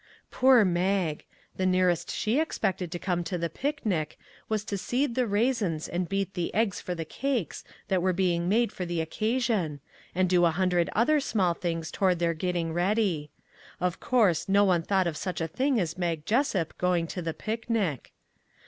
Poor Mag! the nearest she expected to come to the picnic was to seed the raisins and beat the eggs for the cakes that were being made for the occasion, and do a hundred other small things toward their getting ready. Of course, no one thought of such a thing as Mag Jessup going to the picnic.